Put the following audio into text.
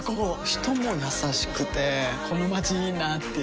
人も優しくてこのまちいいなぁっていう